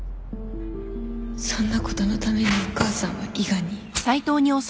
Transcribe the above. そんなことのためにお母さんは伊賀に